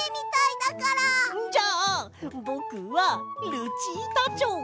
じゃあぼくは「ルチータチョウ」。